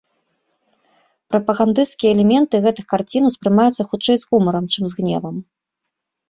Прапагандысцкія элементы гэтых карцін успрымаюцца хутчэй з гумарам, чым з гневам.